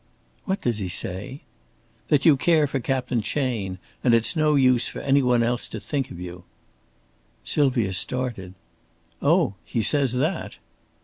"What does he say?" "That you care for Captain Chayne, and that it's no use for any one else to think of you." Sylvia started. "Oh, he says that!"